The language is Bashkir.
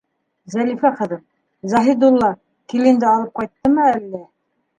Зәлифә ҡыҙым, Заһидулла киленде алып ҡайттымы әллә?